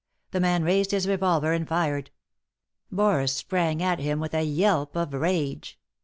The man raised his revolver and fired. Boris sprang at him with a yelp of rage.